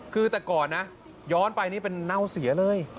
คือแต่ก่อนนะย้อนไปนี่เป็นเน่าเสียเลย